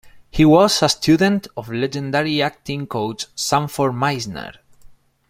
He was a student of legendary acting coach Sanford Meisner.